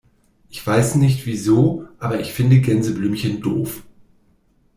Ich weiß nicht wieso, aber ich finde Gänseblümchen doof.